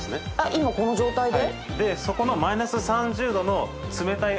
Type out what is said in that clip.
今この状態で？